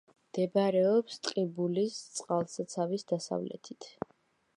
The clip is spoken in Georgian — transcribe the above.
მდებარეობს ტყიბულის წყალსაცავის დასავლეთით.